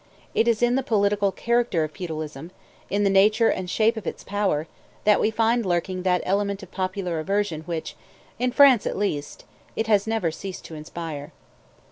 It is in the political character of feudalism, in the nature and shape of its power, that we find lurking that element of popular aversion which, in France at least, it has never ceased to inspire.